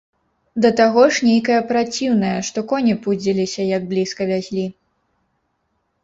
Да таго ж нейкая праціўная, што коні пудзіліся, як блізка вязлі.